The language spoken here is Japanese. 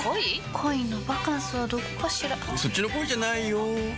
恋のバカンスはどこかしらそっちの恋じゃないよ